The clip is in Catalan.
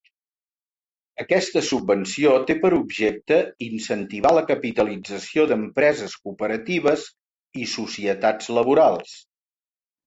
Aquesta subvenció té per objecte incentivar la capitalització d'empreses cooperatives i societats laborals.